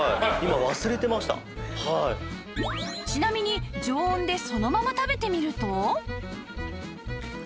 ちなみに常温でそのまま食べてみると